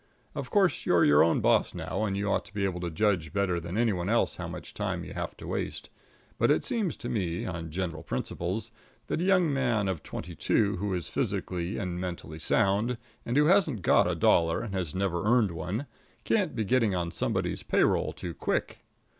Of course, you are your own boss now and you ought to be able to judge better than any one else how much time you have to waste, but it seems to me, on general principles, that a young man of twenty two, who is physically and mentally sound, and who hasn't got a dollar and has never earned one, can't be getting on somebody's pay roll too quick.